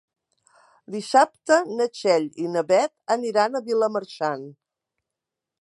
Dissabte na Txell i na Beth aniran a Vilamarxant.